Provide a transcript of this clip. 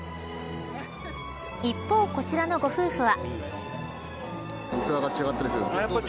一方、こちらのご夫婦は。